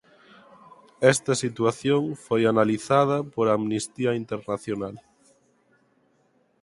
Esta situación foi analizada por Amnistía Internacional.